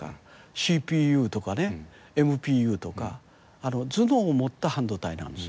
ＣＰＵとかＭＰＵとか頭脳を持った半導体なんです。